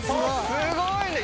すごいね！